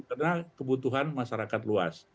karena kebutuhan masyarakat luas